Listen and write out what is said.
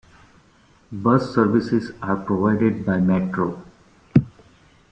Bus services are provided by Metro.